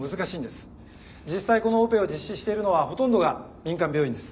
実際このオペを実施しているのはほとんどが民間病院です。